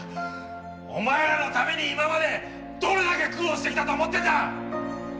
お前らのために今までどれだけ苦労してきたと思ってるんだ！